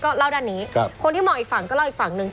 เล่าด้านนี้คนที่มองอีกฝั่งก็เล่าอีกฝั่งหนึ่ง